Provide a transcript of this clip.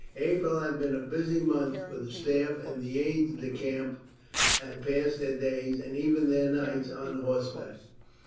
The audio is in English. April had been a busy month for the staff, and the aides de camp had passed their days, and even their nights, on horseback.